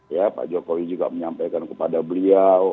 ya pak jokowi juga menyampaikan kepada beliau